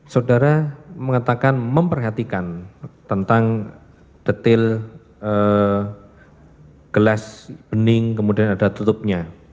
saudara mengatakan memperhatikan tentang detail gelas bening kemudian ada tutupnya